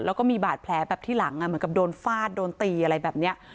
แล้วก็มีบาดแผลแบบที่หลังเหมือนกับโดนฟาดโดนตีอะไรแบบนี้